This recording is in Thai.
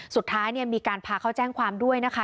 สุดท้ายมีการพาเขาแจ้งความด้วยนะคะ